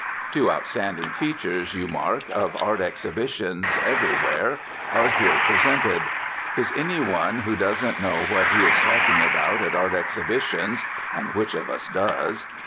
Two outstanding features, you mark, of art exhibitions everywhere are here presented. Is any one who doesn't know what he is talking about at art exhibitions (and which of us does?)